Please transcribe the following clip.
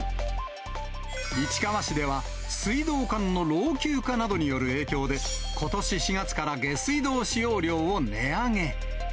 市川市では水道管の老朽化などによる影響で、ことし４月から下水道使用料を値上げ。